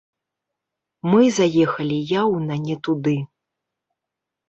Мы заехалі яўна не туды.